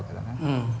うん。